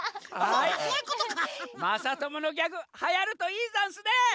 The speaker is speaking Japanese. まさとものギャグはやるといいざんすね！